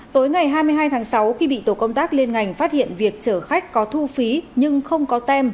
tối ngày hai mươi hai tháng sáu khi bị tổ công tác liên ngành phát hiện việc chở khách có thu phí nhưng không có tem